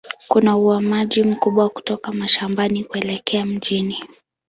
Kuna uhamiaji mkubwa kutoka mashambani kuelekea mjini.